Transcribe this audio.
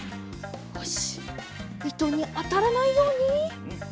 よしいとにあたらないように。